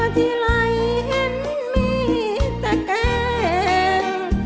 เจอที่ไหลเห็นมีแต่แกง